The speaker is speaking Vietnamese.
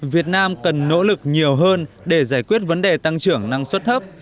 việt nam cần nỗ lực nhiều hơn để giải quyết vấn đề tăng trưởng năng suất thấp